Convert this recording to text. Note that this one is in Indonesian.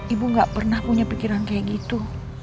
ibu gak pernah punya pikiran kayak gitu